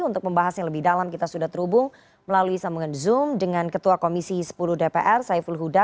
untuk membahas yang lebih dalam kita sudah terhubung melalui sambungan zoom dengan ketua komisi sepuluh dpr saiful huda